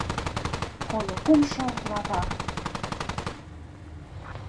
КОЛО КУМШО ГЛАВА